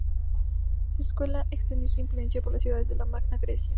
Su escuela extendió su influencia por las ciudades de la Magna Grecia.